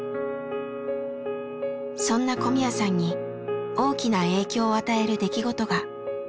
そんな小宮さんに大きな影響を与える出来事が。